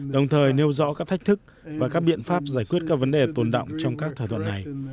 đồng thời nêu rõ các thách thức và các biện pháp giải quyết các vấn đề tồn động trong các thỏa thuận này